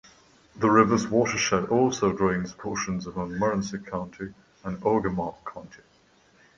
The river's watershed also drains portions of Montmorency County and Ogemaw County.